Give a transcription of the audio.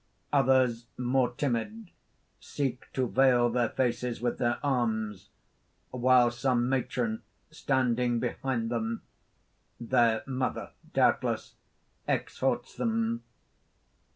Others, more timid, seek to veil their faces with their arms, while some matron standing behind them, their mother doubtless, exhorts them.